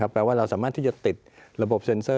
แปลว่าเราสามารถที่จะติดระบบเซ็นเซอร์